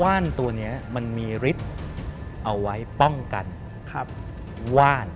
ว่านตัวนี้มันมีฤทธิ์เอาไว้ป้องกันว่าน